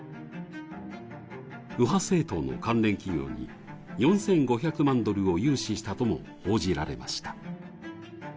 右派政党の関連企業に４５００万ドルを融資したとも報じられました。